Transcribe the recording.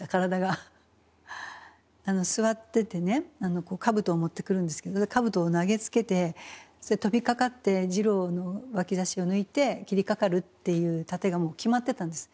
座っててねあの兜を持ってくるんですけど兜を投げつけてそれで飛びかかって次郎の脇差しを抜いて斬りかかるっていう殺陣がもう決まってたんです。